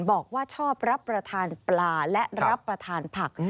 บอกว่าชอบรับประทานปลาและรับประทานผัก